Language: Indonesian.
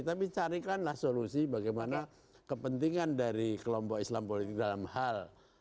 tapi carikanlah solusi bagaimana kepentingan dari kelompok islam politik dalam hal